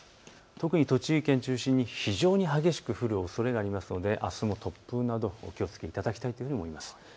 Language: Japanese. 特に栃木県中心に非常に激しく降るおそれがありますのであすも突風などお気をつけいただきたいと思います。